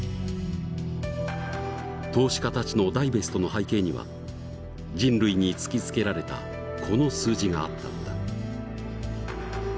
投資家たちのダイベストの背景には人類に突きつけられたこの数字があったのだ。